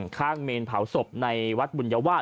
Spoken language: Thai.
ข้างเมนเผาศพในวัดบุญวาด